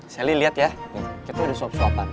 selly liat ya kayaknya tuh ada suap suapan